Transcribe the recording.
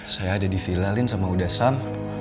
saya ada di villa lin sama uda sam